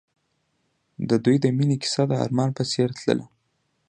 د دوی د مینې کیسه د آرمان په څېر تلله.